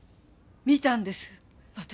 見たんです私。